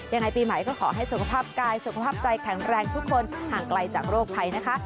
ยังไงปีใหม่ก็ขอให้สุขภาพกายสุขภาพใจแข็งแรงทุกคนห่างไกลจากโรคภัยนะคะ